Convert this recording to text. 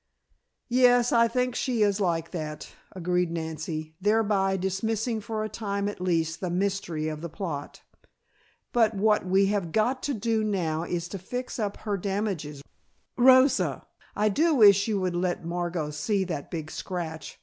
"Yes, I think she is like that," agreed Nancy, thereby dismissing for a time at least the mystery of the plot. "But what we have got to do now is to fix up her damages. Rosa, I do wish you would let Margot see that big scratch.